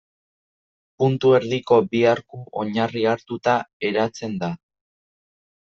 Puntu erdiko bi arku oinarri hartuta eratzen da.